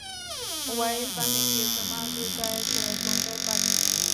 ويل به مې چې زما زوی بايد ګونګی پاتې نه شي.